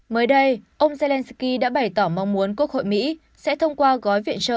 mới đây ông zelenskyy đã bày tỏ mong muốn quốc hội mỹ sẽ thông qua gói viện trợ